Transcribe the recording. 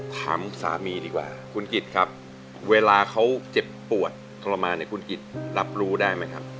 ถามสามีดีกว่าคุณกิจครับเวลาเขาเจ็บปวดทรมานเนี่ยคุณกิจรับรู้ได้ไหมครับ